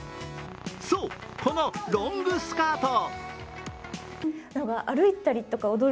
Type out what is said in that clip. そう、このロングスカート。